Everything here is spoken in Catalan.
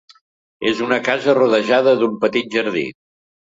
És una casa rodejada d'un petit jardí.